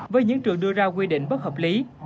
với những trường đưa ra quy định bất hợp lý